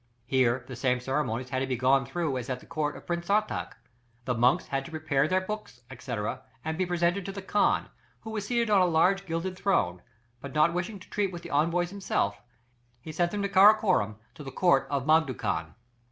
There the same ceremonies had to be gone through as at the court of Prince Sartach. The monks had to prepare their books, &c., and be presented to the Khan, who was seated on a large gilded throne, but not wishing to treat with the envoys himself, he sent them to Karakorum, to the court of Mangu khan.